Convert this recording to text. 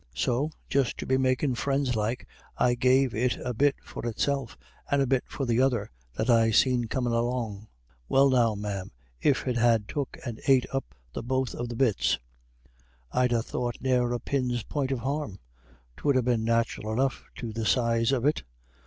So, just to be makin' friends like, I gave it a bit for itself, and a bit for the other that I seen comin' along. Well, now, ma'am, if it had took and ate up the both of the bits, I'd ha' thought ne'er a pin's point of harm 'twould ha' been nathural enough to the size of it.